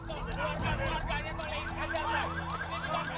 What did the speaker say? ini keluarga keluarganya pak leis kan jangan pak